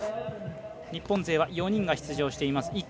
日本勢は４人が出場しています。